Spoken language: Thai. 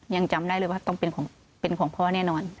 ยังจำได้เลยว่าต้องเป็นของพ่อแน่นอน